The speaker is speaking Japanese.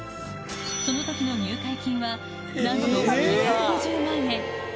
そのときの入会金は、なんと２５０万円。